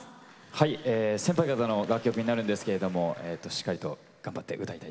はい先輩方の楽曲になるんですけれどもしっかりと頑張って歌いたいと思います。